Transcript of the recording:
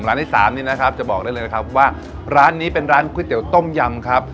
ร้านที่สามนี่นะครับจะบอกได้เลยนะครับว่าร้านนี้เป็นร้านก๋วยเตี๋ยวต้มยำครับ